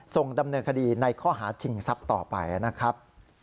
ส่งดำเนินคดีในข้อหาชิงทรัพย์ต่อไปนะครับ